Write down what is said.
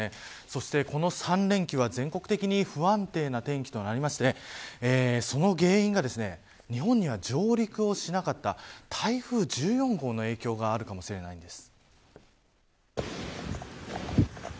そして、この３連休は全国的に不安定な天気となりましてその原因が日本には上陸をしなかった台風１４号の影響があるかもしれないんです。